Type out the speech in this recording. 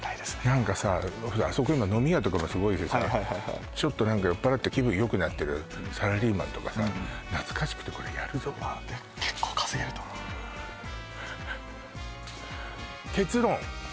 何かさあそこ今飲み屋とかもすごいしさちょっと何か酔っ払って気分よくなってるサラリーマンとかさ懐かしくてこれやるぞ結構稼げると思う結論多分こいつバカ